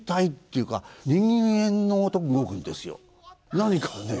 何かね